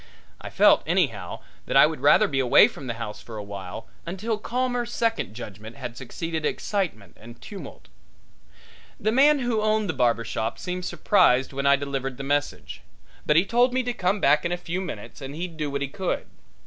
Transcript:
I felt, anyhow, that I would rather be away from the house for a while, until calmer second judgment had succeeded excitement and tumult. The man who owned the barber shop seemed surprised when I delivered the message, but he told me to come back in a few minutes and he'd do what he could.